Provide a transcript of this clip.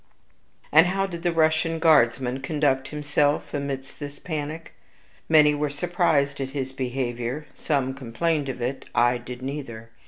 And how did the Russian guardsman conduct himself amidst this panic? Many were surprised at his behavior; some complained of it; I did neither.